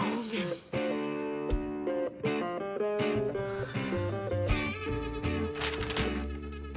はあ。